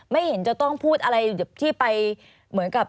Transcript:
ไม่เห็นจะต้องพูดอะไรที่ไปเหมือนกับ